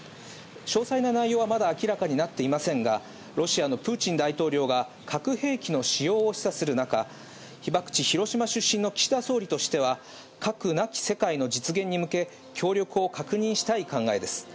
詳細な内容はまだ明らかになっていませんが、ロシアのプーチン大統領が核兵器の使用を示唆する中、被爆地、広島出身の岸田総理としては、核なき世界の実現に向け、協力を確認したい考えです。